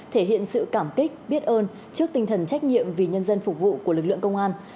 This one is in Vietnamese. thể hiện sự cảm kích biết ơn trước tinh thần trách nhiệm vì nhân dân phục vụ của lực lượng công an